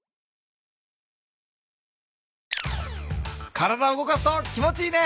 体を動かすと気持ちいいね。